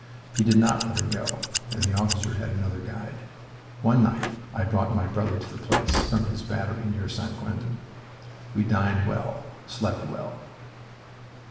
We did not let her go, and the officer had another guide. One night I brought my brother to the place from his battery near St. Quentin. We dined well, slept well.